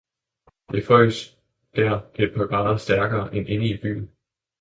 det frøs dér et par grader stærkere end inde i byen.